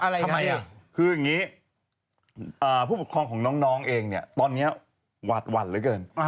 ทำไมอ่ะคืออย่างนี้ผู้ปกครองของน้องเองเนี่ยตอนนี้หวาดหวั่นเหลือเกิน